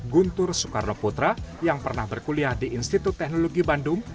guntur soekarnoputra yang pernah berkuliah di institut teknologi bandung